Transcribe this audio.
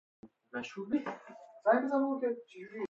خدا را شکر چه بچههای خوبی داری!